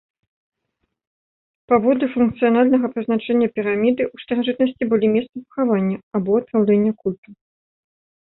Паводле функцыянальнага прызначэння піраміды ў старажытнасці былі месцам пахавання, або адпраўлення культу.